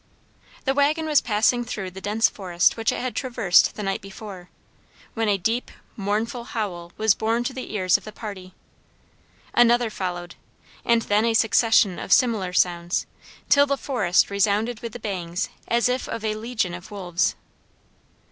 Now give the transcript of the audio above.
The wagon was passing through the dense forest which it had traversed the night before, when a deep, mournful howl was borne to the ears of the party. Another followed, and then a succession of similar sounds, till the forest resounded with the bayings as if of a legion of wolves.